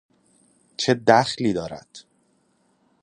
!چه دخلی دارد